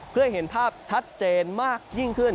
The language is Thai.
เพื่อให้เห็นภาพชัดเจนมากยิ่งขึ้น